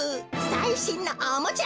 さいしんのおもちゃ。